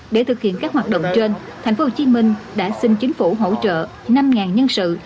để thực hiện các hoạt động trên tp hcm đã xin chính phủ hỗ trợ năm nhân sự